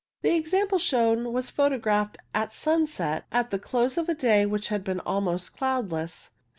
The example shown was photographed at sunset at the close of a day which had been almost cloudless.